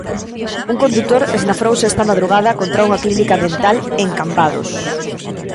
Un condutor esnafrouse esta madrugada contra unha clínica dental en Cambados.